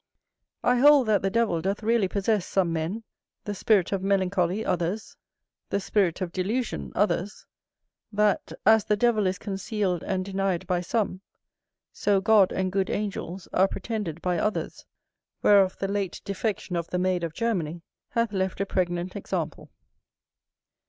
I hold that the devil doth really possess some men; the spirit of melancholy others; the spirit of delusion others: that, as the devil is concealed and denied by some, so God and good angels are pretended by others, whereof the late defection of the maid of Germany hath left a pregnant example.